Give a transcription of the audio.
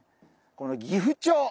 このギフチョウ！